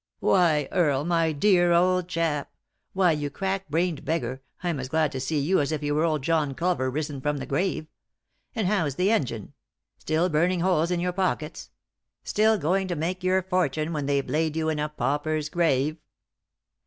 "Why, Earle, my dear old chap! Why, yon crack brained beggar, I'm as glad to see you as if you were old John Culver risen from the grave. And how's the engine ? Still burning holes in your pockets ? Still going to make your fortune when they've laid you in a pauper's grave